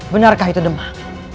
benarkah itu demak